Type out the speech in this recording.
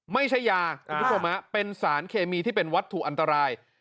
ไม่ใช่ยาเป็นสารเคมีที่เป็นวัตถุอันตราย